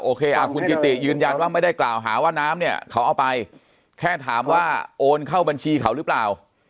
คุณกิติยืนยันว่าไม่ได้กล่าวหาว่าน้ำเนี่ยเขาเอาไปแค่ถามว่าโอนเข้าบัญชีเขาหรือเปล่า